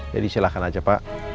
jadi silahkan aja pak